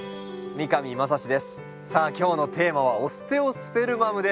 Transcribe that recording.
さあ今日のテーマはオステオスペルマムです。